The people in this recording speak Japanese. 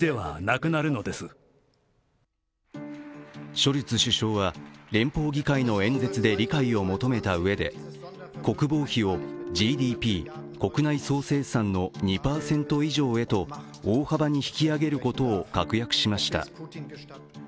ショルツ首相は、連邦議会の演説で理解を求めたうえで国防費をＧＤＰ＝国内総生産の２％以上へと大幅に引き上げることを確約しました。